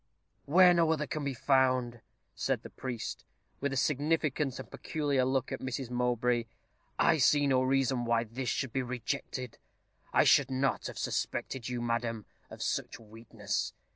"Where no other can be found," said the priest, with a significant and peculiar look at Mrs. Mowbray, "I see no reason why this should be rejected. I should not have suspected you, madam, of such weakness.